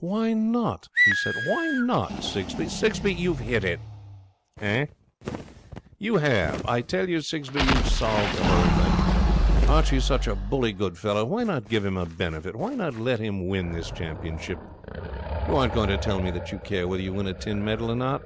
'Why not?' he said. 'Why not, Sigsbee? Sigsbee, you've hit it.' 'Eh?' 'You have! I tell you, Sigsbee, you've solved the whole thing. Archie's such a bully good fellow, why not give him a benefit? Why not let him win this championship? You aren't going to tell me that you care whether you win a tin medal or not?'